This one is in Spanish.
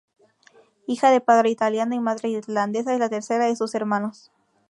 Hija de padre italiano y madre irlandesa, es la tercera de sus hermanos.